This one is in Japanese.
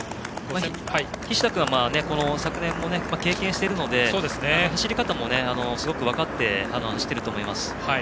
菱田君は昨年も経験しているので走り方も、すごく分かって走っていると思います。